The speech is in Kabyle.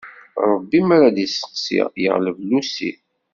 Ṛebbi mi ara d isteqsi, yeɣleb llusi.